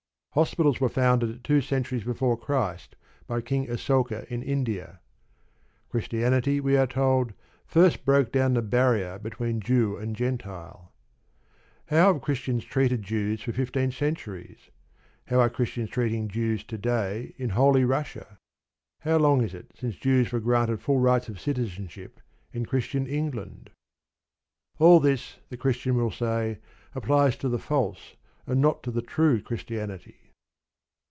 Hospitals were founded two centuries before Christ by King Asoka in India. Christianity, we are told, first broke down the barrier between Jew and Gentile. How have Christians treated Jews for fifteen centuries? How are Christians treating Jews to day in Holy Russia? How long is it since Jews were granted full rights of citizenship in Christian England? All this, the Christian will say, applies to the false and not to the true Christianity.